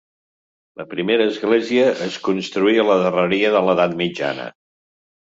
La primera església es construí a la darreria de l'edat mitjana.